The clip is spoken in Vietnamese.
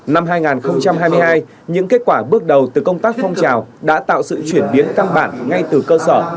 năm hai nghìn hai mươi hai những kết quả bước đầu từ công tác phong trào đã tạo sự chuyển biến căn bản ngay từ cơ sở